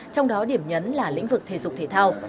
trong đó điểm nhấn là lĩnh vực thể dục thể thao